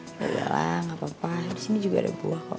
gak adalah gak apa apa disini juga ada buah kok